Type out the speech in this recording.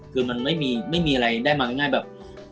คือมันไม่มีอะไรได้มาง่ายแบบ